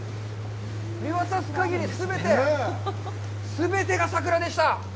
見渡す限り、全て全てが桜でした。